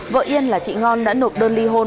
vợ yên là chị ngon đã nộp đơn ly hôn